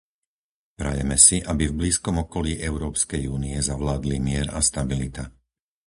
Prajeme si, aby v blízkom okolí Európskej únie zavládli mier a stabilita.